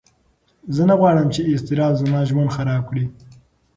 زه نه غواړم چې اضطراب زما ژوند خراب کړي.